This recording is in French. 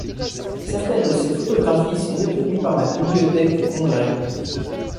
Certaines de ses photographies sont détenues par la Bibliothèque du Congrès.